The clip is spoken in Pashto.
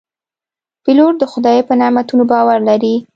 پیلوټ د خدای په نعمتونو باور لري.